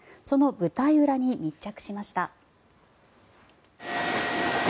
その舞台裏に密着しました。